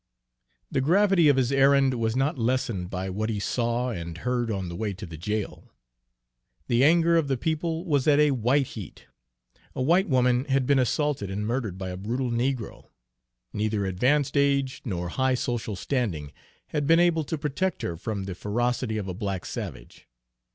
The gravity of his errand was not lessened by what he saw and heard on the way to the jail. The anger of the people was at a white heat. A white woman had been assaulted and murdered by a brutal negro. Neither advanced age, nor high social standing, had been able to protect her from the ferocity of a black savage.